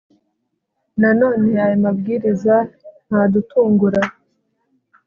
na none aya mabwiriza ntadutungura